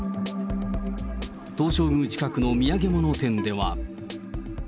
東照宮近くの土産物店では。